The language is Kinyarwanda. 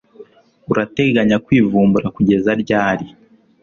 Urateganya kwivumbura kugeza ryari?